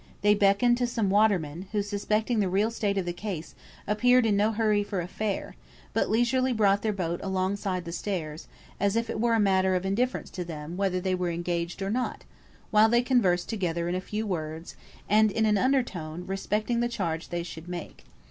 They beckoned to some watermen, who, suspecting the real state of the case, appeared in no hurry for a fare, but leisurely brought their boat alongside the stairs, as if it were a matter of indifference to them whether they were engaged or not, while they conversed together in few words, and in an under tone, respecting the charge they should make.